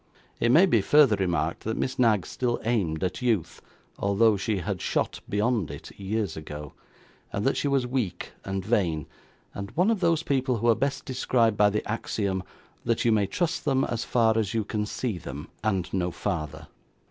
It may be further remarked, that Miss Knag still aimed at youth, although she had shot beyond it, years ago; and that she was weak and vain, and one of those people who are best described by the axiom, that you may trust them as far as you can see them, and no farther.